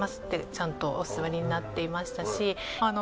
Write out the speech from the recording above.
ちゃんとお座りになっていましたし。